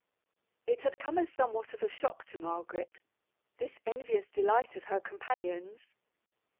It had come as somewhat of a shock to Margaret this envious delight of her companions.